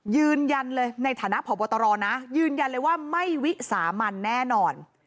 ยืนยันเลยในฐานะพบตรนะยืนยันเลยว่าไม่วิสามันแน่นอน